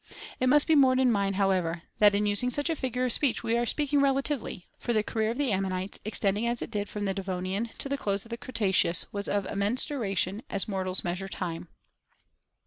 It must be borne in mind, however, that in us ing such a figure of speech we are speaking rel atively, for the career of the ammonites, ex tending as it did from the Devonian to* the close of the Cretaceous, was of immense duration, as mortals measure time.